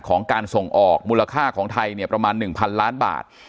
ของการส่งออกมูลค่าของไทยเนี่ยประมาณ๑๐๐ล้านบาท